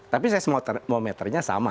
tapi seismometernya sama